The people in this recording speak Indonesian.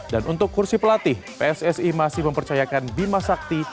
dan untuk kursi pelatih pssi masih mempercayakan bimasakti